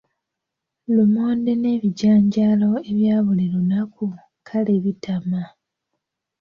Lumonde n’ebijanjaalo ebya buli lunaku kale bitama.